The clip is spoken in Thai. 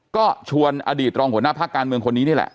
ก็ชวนอดีตรองหัวหน้าพักการเมืองคนนี้นี่แหละ